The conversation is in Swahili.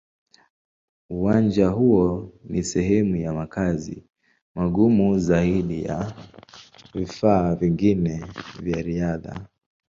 Uwanja huo ni sehemu ya makazi magumu zaidi ya vifaa vingine vya riadha.